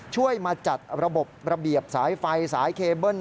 ช่วยมาจัดระบบระเบียบสายไฟสายเคเบิ้ล